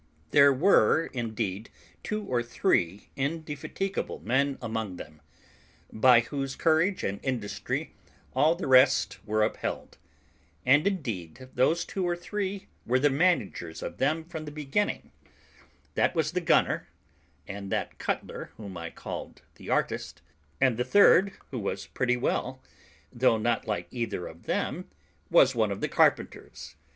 There were indeed two or three indefatigable men among them, by whose courage and industry all the rest were upheld; and indeed those two or three were the managers of them from the beginning; that was the gunner, and that cutler whom I call the artist; and the third, who was pretty well, though not like either of them, was one of the carpenters.